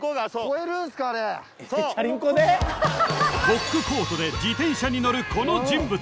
［コックコートで自転車に乗るこの人物